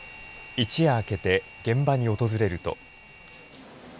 一夜明けて現場に訪れると。